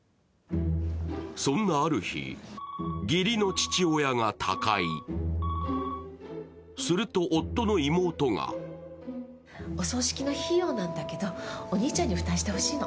そんなある日、義理の父親が他界すると夫の妹がお葬式の費用なんだけど、お兄ちゃんに負担してほしいの。